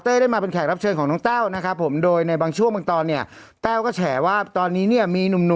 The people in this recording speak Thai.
แต่เห็นละมัน๘๐๐๐๙๐๐๐ล่าสุดวันนี้๑๘๐๐๐เรียบร้อย